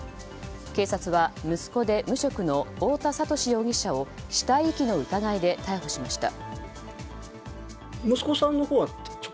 警察は息子で無職の太田聡容疑者を死体遺棄の疑いで逮捕しました。